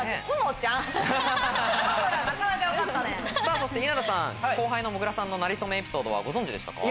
さぁそして稲田さん後輩のもぐらさんのなれ初めエピソードはご存じでしたか？